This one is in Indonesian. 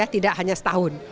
tidak hanya setahun